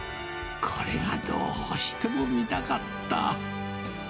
これがどうしても見たかった。